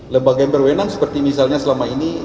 lembaga yang berwenang seperti misalnya selama ini